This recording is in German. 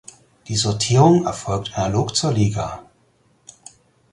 Die Sortierung erfolgt analog zur Liga.